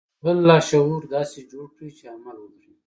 خپل لاشعور داسې جوړ کړئ چې عمل وکړي